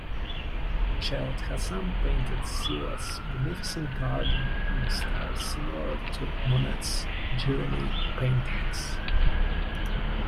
Childe Hassam painted Celia's magnificent garden in a style similar to Monet's Giverny paintings.